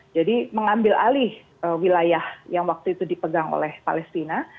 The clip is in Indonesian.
jadi mengambil alih wilayah yang waktu itu dipegang oleh palestina